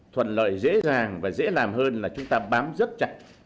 thuận lợi dễ dàng và dễ làm hơn là chúng ta bám rất chặt